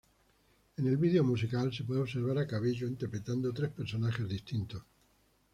En el vídeo musical se puede observar a Cabello interpretando tres personajes distintos.